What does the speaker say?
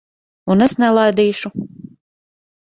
Un es nelaidīšu.